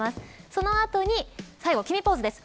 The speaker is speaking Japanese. その後に最後、決めポーズです。